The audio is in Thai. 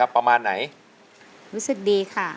ลักพูดในเมื่อไหร่